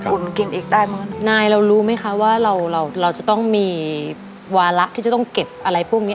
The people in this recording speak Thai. กินเองได้มั้ยนายเรารู้ไหมคะว่าเราเราจะต้องมีวาระที่จะต้องเก็บอะไรพวกเนี้ย